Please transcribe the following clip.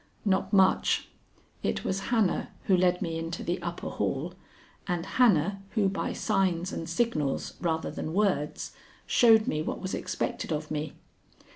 "Not much. It was Hannah who led me into the upper hall, and Hannah who by signs and signals rather than words showed me what was expected of me.